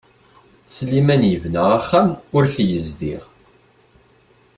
Sliman yebna axxam ur t-yezdiɣ.